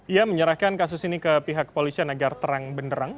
ia menyerahkan kasus ini ke pihak kepolisian agar terang benderang